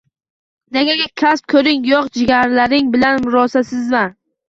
Negaki, kasb-koring yo'q, jigarlaring bilan murosasizsan